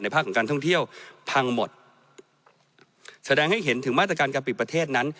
ภาคของการท่องเที่ยวพังหมดแสดงให้เห็นถึงมาตรการการปิดประเทศนั้น